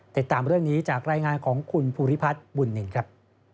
ติดตามเรื่องนี้จากรายงานของคุณภูริพัฒน์บุญนินครับ